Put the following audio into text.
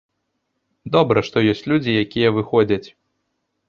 Добра, што ёсць людзі, якія выходзяць.